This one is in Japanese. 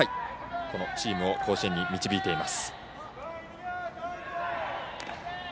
このチームを甲子園に導いています。